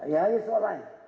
ya itu soalnya